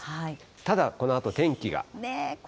ただ、このあと天気が。